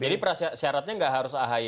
jadi syaratnya gak harus ahy